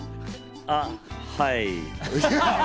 あっ、はい。